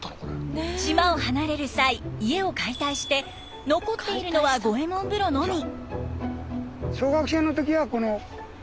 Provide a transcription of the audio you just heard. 島を離れる際家を解体して残っているのは五右衛門風呂のみ。